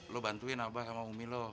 lo bantuin abah sama umi lo